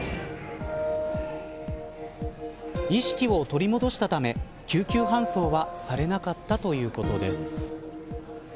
意識を取り戻したため救急搬送はされなかったということです。